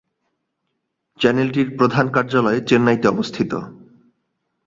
চ্যানেলটির প্রধান কার্যালয় চেন্নাইতে অবস্থিত।